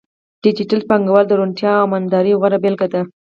ډیجیټل بانکوالي د روڼتیا او امانتدارۍ غوره بیلګه ده.